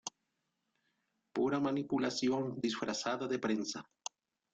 Pura manipulación disfrazada de prensa.